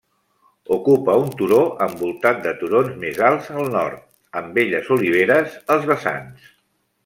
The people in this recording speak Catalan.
Ocupa un turó envoltat de turons més alts al nord, amb belles oliveres als vessants.